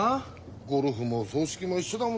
ゴルフも葬式も一緒だもんな。